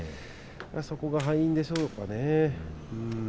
そこが敗因でしょうかね。